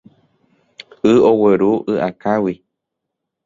Y ogueru y'akãgui.